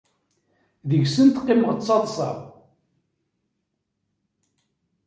Deg-sent qqimeɣ ttaḍseɣ.